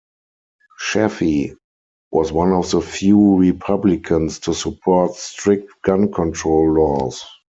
Chafee was one of the few Republicans to support strict gun control laws.